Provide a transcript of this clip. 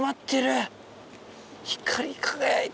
光り輝いて。